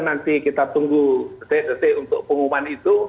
nanti kita tunggu detik detik untuk pengumuman itu